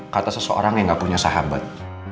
kata seseorang yang gak punya sahabat